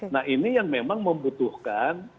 nah ini yang memang membutuhkan